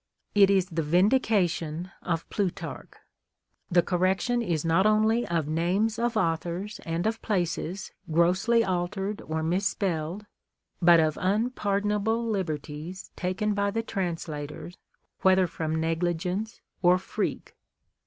It is the vindication of Plutarch. The correction is not only of names of authors and of places grossly altered or misspelled, but of unpardonable liberties taken by the transla tors, whether from negligence or freak.